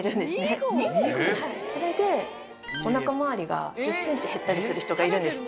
それでお腹回りが１０ｃｍ減ったりする人がいるんです。